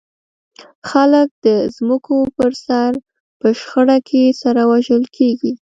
خلک د ځمکو پر سر په شخړه کې سره وژل کېږي.